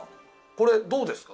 これどうですか？